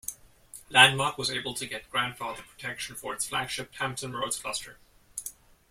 Landmark was able to get grandfathered protection for its flagship Hampton Roads cluster.